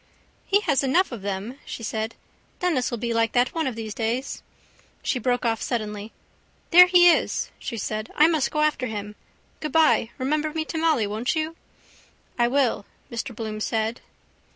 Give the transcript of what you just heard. —He has enough of them, she said. Denis will be like that one of these days. She broke off suddenly. —There he is, she said. I must go after him. Goodbye. Remember me to Molly, won't you? —I will, Mr Bloom said.